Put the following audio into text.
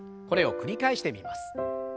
これを繰り返してみます。